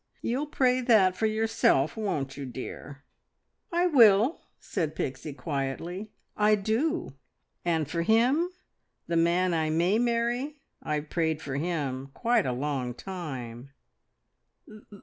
You'll pray that for yourself, won't you, dear?" "I will," said Pixie quietly. "I do. And for him the man I may marry. I've prayed for him quite a long time." "The